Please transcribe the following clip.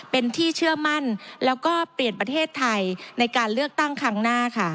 เป็นที่เชื่อมั่นแล้วก็เปลี่ยนประเทศไทยในการเลือกตั้งครั้งหน้าค่ะ